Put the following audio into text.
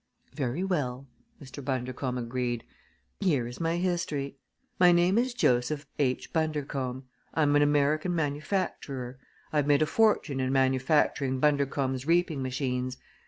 "Very well!" Mr. Bundercombe agreed. "Here is my history: My name is Joseph H. Bundercombe. I am an American manufacturer. I have made a fortune in manufacturing Bundercombe's Reaping Machines.